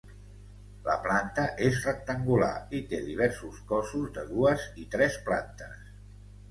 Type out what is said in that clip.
La planta és rectangular i té diversos cossos de dues i tres plantes.